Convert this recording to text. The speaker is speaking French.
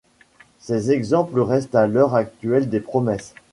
Ces exemples restent à l'heure actuelle des promesses.